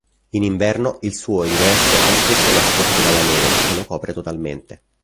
In inverno il suo ingresso è spesso nascosto dalla neve, che lo copre totalmente.